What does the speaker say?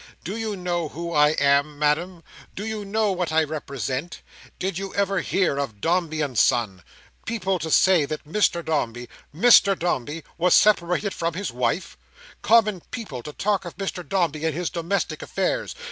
Do you know who I am, Madam? Do you know what I represent? Did you ever hear of Dombey and Son? People to say that Mr Dombey—Mr Dombey!—was separated from his wife! Common people to talk of Mr Dombey and his domestic affairs!